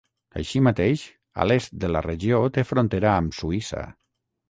Així mateix, a l'est de la regió té frontera amb Suïssa.